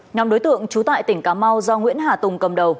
nhóm đối tượng trú tại tỉnh cà mau do nguyễn hà tùng cầm đầu